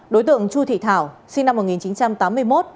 đối tượng chu thị thảo sinh năm một nghìn chín trăm tám mươi một